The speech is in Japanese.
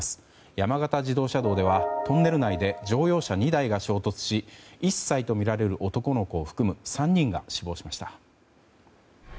山形自動車道ではトンネル内で乗用車２台が衝突し１歳とみられる男の子を含む３人が死亡しました。